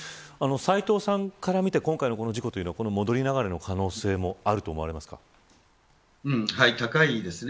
斎藤さんから見てこの事故は戻り流れの可能性は高いですね。